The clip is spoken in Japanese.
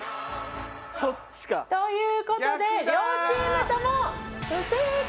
そっちか。という事で両チームとも不正解。